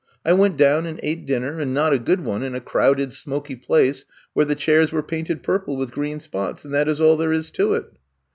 I went down and ate dinner, and not a good one, in a crowded, smoky place where the chairs were painted purple with green spots, and that is all there is to it."